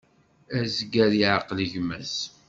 Azger yeɛqel gma-s.